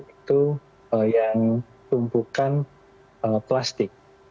itu yang tumpukan plastik